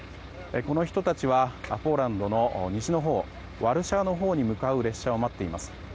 この人たちはポーランドの西のほうワルシャワのほうに向かう列車を待っています。